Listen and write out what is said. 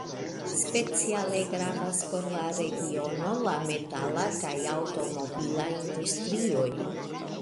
Speciale gravas por la regiono la metala kaj aŭtomobila industrioj.